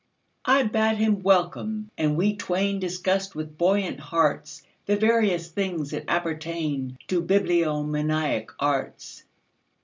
I bade him welcome, and we twainDiscussed with buoyant heartsThe various things that appertainTo bibliomaniac arts.